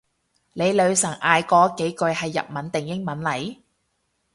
你女神嗌嗰幾句係日文定英文嚟？